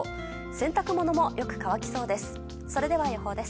洗濯物もよく乾きそうです。